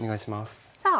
さあ